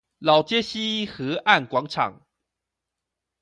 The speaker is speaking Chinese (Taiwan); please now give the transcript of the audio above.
老街溪河岸廣場